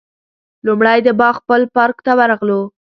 لومړی د باغ پل پارک ته ورغلو.